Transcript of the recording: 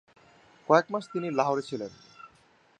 কয়েক মাস তিনি লাহোরে ছিলেন।